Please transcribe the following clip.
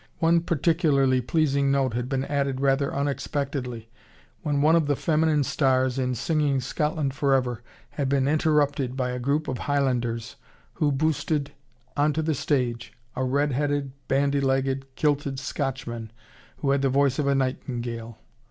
One particularly pleasing note had been added rather unexpectedly when one of the feminine stars, in singing "Scotland Forever," had been interrupted by a group of Highlanders who boosted onto the stage a red headed, bandy legged, kilted Scotchman who had the voice of a nightingale.